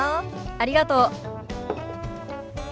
ありがとう。